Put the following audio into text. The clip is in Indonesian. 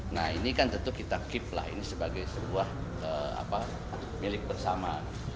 nah ini kan tentu kita keep lah ini sebagai sebuah milik bersama